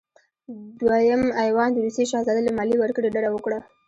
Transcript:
دویم ایوان د روسیې شهزاده له مالیې ورکړې ډډه وکړه.